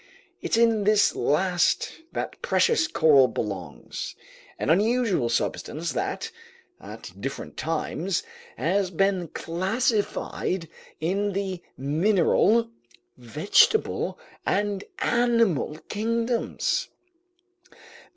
It's in this last that precious coral belongs, an unusual substance that, at different times, has been classified in the mineral, vegetable, and animal kingdoms.